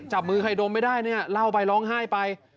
จับมือใครดมไม่ได้เนี่ยเล่าไปร้องไห้ไป